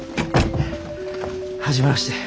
初めまして。